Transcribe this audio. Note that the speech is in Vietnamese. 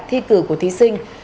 thi cử của thí sinh